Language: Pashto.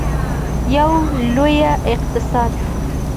یو لوی اقتصاد.